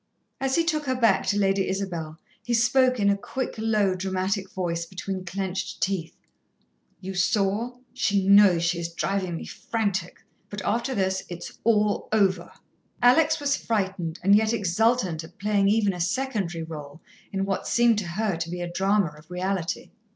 As he took her back to Lady Isabel, he spoke in a quick, low, dramatic voice between clenched teeth: "You saw? She knows she is driving me frantic; but after this it's all over." Alex was frightened and yet exultant at playing even a secondary rôle in what seemed to her to be a drama of reality.